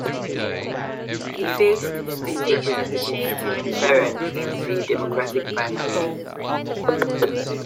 He faced State Representative Steven Feren in the Democratic primary.